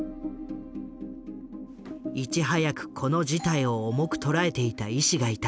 いち早くこの事態を重く捉えていた医師がいた。